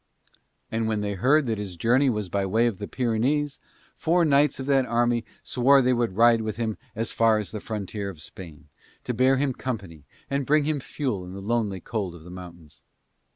And when they heard that his journey was by way of the Pyrenees four knights of that army swore they would ride with him as far as the frontier of Spain, to bear him company and bring him fuel in the lonely cold of the mountains.